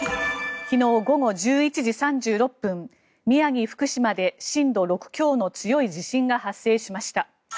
昨日午後１１時３６分宮城、福島で震度６強の強い地震が発生しました。